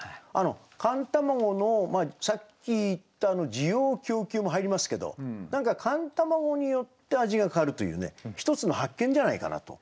寒卵のさっき言った滋養供給も入りますけど何か寒卵によって味が変わるというね一つの発見じゃないかなと。